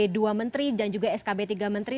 dua menteri dan juga skb tiga menteri